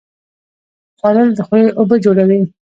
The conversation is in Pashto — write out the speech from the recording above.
خوړل د خولې اوبه جوړوي